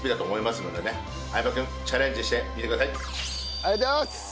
ありがとうございます！